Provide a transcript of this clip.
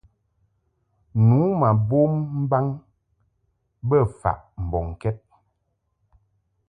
Nu ma bom mbaŋ bə faʼ mbɔŋkɛd.